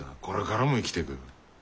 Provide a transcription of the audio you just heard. これからも生きてく。